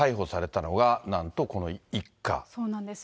そうなんです。